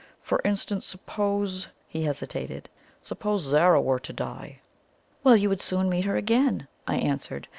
For instance, suppose " he hesitated: "suppose Zara were to die?" "Well, you would soon meet her again," I answered.